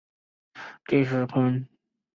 纤柄红豆为豆科红豆属下的一个种。